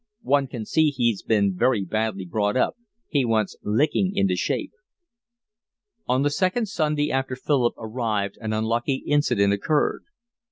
"One can see he's been very badly brought up. He wants licking into shape." On the second Sunday after Philip arrived an unlucky incident occurred.